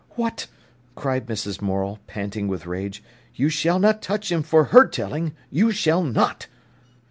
"What!" cried Mrs. Morel, panting with rage. "You shall not touch him for her telling, you shall not!"